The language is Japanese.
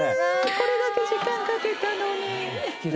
これだけ時間かけたのに。